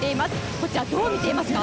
こちらはどう見ていますか？